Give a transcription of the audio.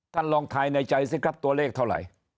ลองทายในใจสิครับตัวเลขเท่าไหร่